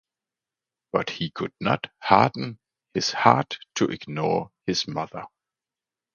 But he could not harden his heart to ignore his mother.